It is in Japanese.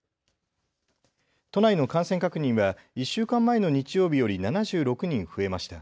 都内の感染確認は１週間前の日曜日より７６人増えました。